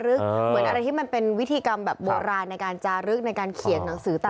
เหมือนอะไรที่มันเป็นวิธีกรรมแบบโบราณในการจารึกในการเขียนหนังสือ